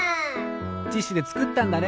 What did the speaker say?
ティッシュでつくったんだね。